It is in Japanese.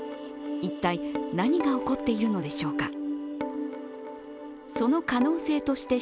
一体何が起こっているのでしょうか。